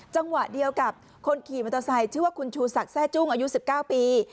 จังหวะเดียวกับคนขี่มอเตอร์ไซค์ชื่อว่าคุณชูศักดิแทร่จุ้งอายุ๑๙ปี